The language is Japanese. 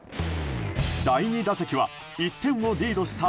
第２打席は１点をリードした